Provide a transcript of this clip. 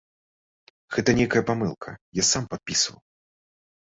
Гэта нейкая памылка, я сам падпісваў.